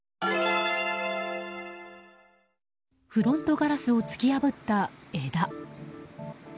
フロントガラスを突き破った枝。